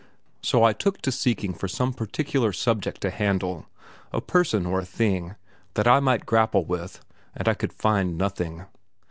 So I took to seeking for some particular subject to handle, a person or a thing, that I might grapple with, and I could find nothing.